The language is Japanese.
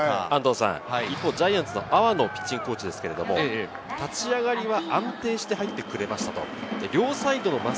ジャイアンツの阿波野ピッチングコーチですけれど、立ち上がりは安定して入ってくれました。